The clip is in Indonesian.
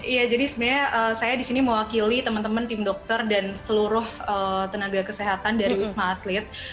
iya jadi sebenarnya saya disini mewakili teman teman tim dokter dan seluruh tenaga kesehatan dari wisma atlet